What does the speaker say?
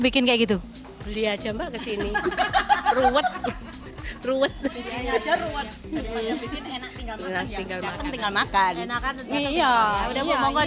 bikin kayak gitu beli aja mbak kesini ruwet ruwet enak tinggal tinggal makan ya udah mau